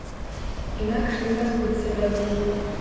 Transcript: Інакш не пазбыцца бяды.